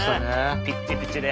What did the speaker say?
ピッチピチで。